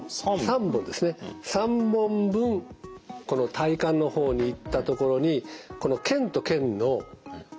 ３本分体幹の方にいったところにこの腱と腱の間。